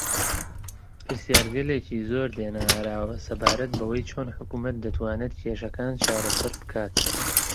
پرسیارگەلێکی زۆر دێنە ئاراوە سەبارەت بەوەی چۆن حکوومەت دەتوانێت کێشەکان چارەسەر بکات